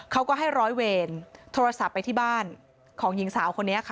เขาก็ให้ร้อยเวรโทรศัพท์ไปที่บ้านของหญิงสาวคนนี้ค่ะ